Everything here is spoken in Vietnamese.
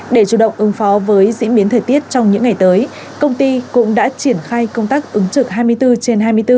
để chủ động ứng phó với diễn biến thời tiết trong những ngày tới công ty cũng đã triển khai công tác ứng trực hai mươi bốn trên hai mươi bốn